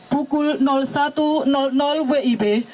pukul satu wib